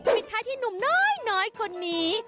ปิดท้ายที่หนุ่มน้อยคนนี้